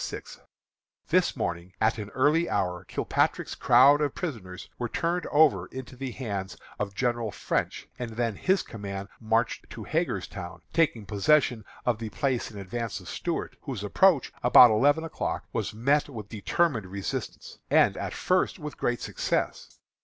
_ This morning, at an early hour, Kilpatrick's crowd of prisoners were turned over into the hands of General French, and then his command marched to Hagerstown, taking possession of the place in advance of Stuart, whose approach about eleven o'clock was met with determined resistance, and, at first, with great success.